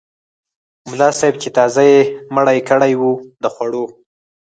ملا صاحب چې تازه یې مړۍ کړې وه د خوړو.